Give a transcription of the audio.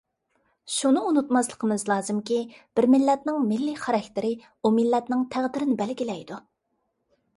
شۇنى ئۇنتۇماسلىقىمىز لازىمكى، بىر مىللەتنىڭ مىللىي خاراكتېرى ئۇ مىللەتنىڭ تەقدىرىنى بەلگىلەيدۇ.